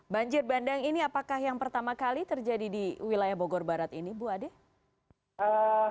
banjir bandang ini apakah yang pertama kali terjadi di wilayah bogor barat ini bu ade